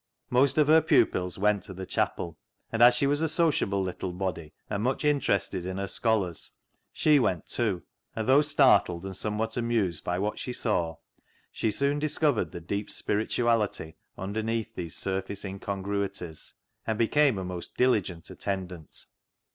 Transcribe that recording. Most of her pupils went to the chapel, and as she was a sociable little body, and much interested in her scholars, she went too, and though startled and somewhat amused by what she saw, she soon discovered the deep spirituality underneath these surface incongruities, and became a most diligent attendant.